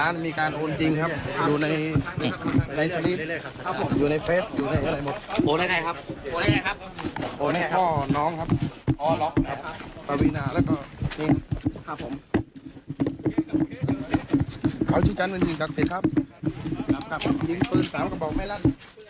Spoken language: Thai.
น้ำคับหยิ้มปืน๓กระบวกไม่ออก